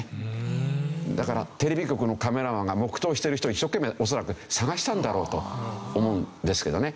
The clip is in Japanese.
だからテレビ局のカメラマンが黙祷してる人を一生懸命恐らく探したんだろうと思うんですけどね。